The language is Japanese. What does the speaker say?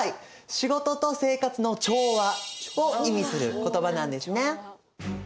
「仕事と生活の調和」を意味する言葉なんですね。